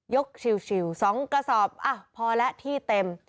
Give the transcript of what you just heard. ชิว๒กระสอบอ่ะพอแล้วที่เต็ม